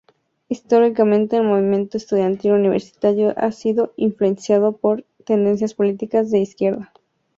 Históricamente el movimiento estudiantil universitario ha sido influenciado por tendencias políticas de izquierda.